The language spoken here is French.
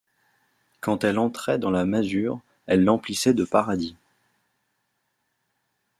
Quand elle entrait dans la masure, elle l’emplissait de paradis.